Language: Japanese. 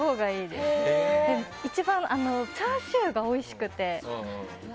チャーシューがおいしくて。